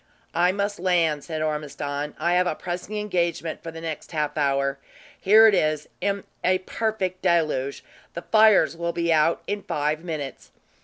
"I must land," said Ormiston. "I have a pressing engagement for the next half hour. Here it is, in a perfect deluge; the fires will be out in five minutes."